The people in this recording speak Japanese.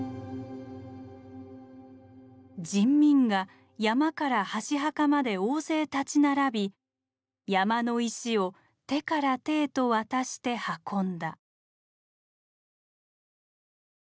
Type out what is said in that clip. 「人民が山から箸墓まで大勢立ち並び山の石を手から手へと渡して運んだ」。